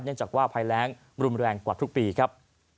เนื่องจากว่าภายแรงรุมแรงกว่าทุกปีครับ